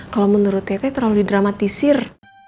kalau menurut tete terlalu didramatisir